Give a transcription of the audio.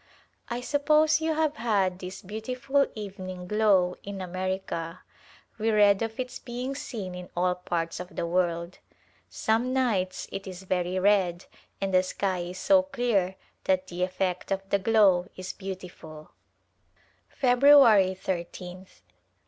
I suppose you have had this beautiful evening glow in America. We read of its being seen in all parts of the world. Some nights it is very red and the sky is so clear that the effect of the glow is beautiful. February Ijth.